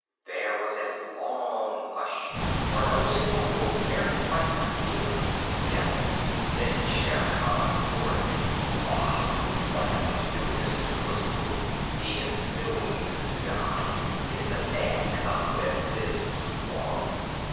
There was a long hush, for no single wolf cared to fight Akela to the death. Then Shere Khan roared: "Bah! What have we to do with this toothless fool? He is doomed to die! It is the man cub who has lived too long.